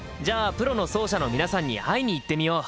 プロの奏者の皆さんに会いに行ってみよう！